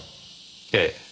ええ。